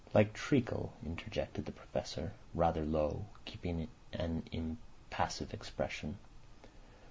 "Like treacle," interjected the Professor, rather low, keeping an impassive expression.